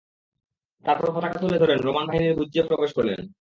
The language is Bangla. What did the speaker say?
তারপর পতাকা তুলে ধরে রোমান বাহিনীর ব্যুহে প্রবেশ করলেন।